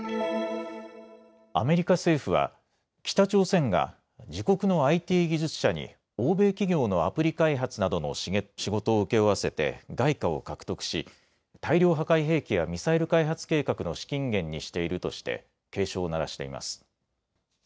アメリカ政府は北朝鮮が自国のＩＴ技術者に欧米企業のアプリ開発などの仕事を請け負わせて外貨を獲得し大量破壊兵器やミサイル開発計画の資金源にしているとして警鐘を鳴らしています。